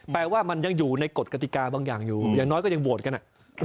แปลว่ามันยังอยู่ในกฎกติกาบางอย่างอยู่อย่างน้อยก็ยังโหวตกัน